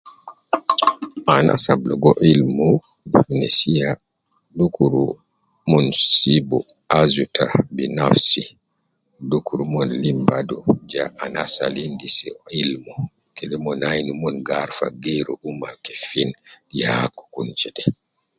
Anas ab ligo ilim fi nesiya dukuru umon sibu azu ta binafsi, dukuru umon limu badu ja anas al endis ilmu kede umon ainu umon ga arfa geeru ummah kefin, ya gi kun jede.